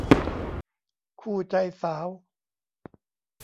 คู่ใจสาว